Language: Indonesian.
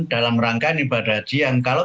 dalam rangkaian ibadah haji yang kalau